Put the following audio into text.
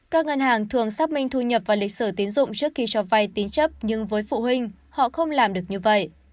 các ngân hàng thường xác minh thu nhập và lịch sử tín dụng trước khi cho vay tín chấp nhưng với phụ huynh họ không làm được như vậy